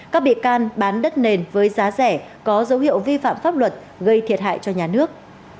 các bị can bán đất nền với giá rẻ có dấu hiệu vi phạm pháp luật gây thiệt hại cho nhà nước